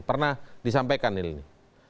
pernah disampaikan ini